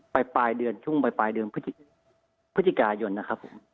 ปลายเดือนช่วงปลายเดือนพฤศจิกายนนะครับผม